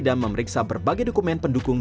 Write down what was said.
memeriksa berbagai dokumen pendukung